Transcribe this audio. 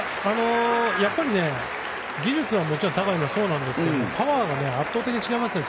やっぱり技術がもちろん高いのはそうなんですけどパワーが圧倒的に違いますね。